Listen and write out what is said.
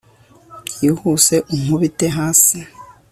byihuse unkubite hasi